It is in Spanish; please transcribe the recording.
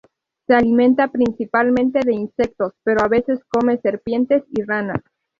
Se alimenta principalmente de insectos, pero a veces come serpientes y ranas.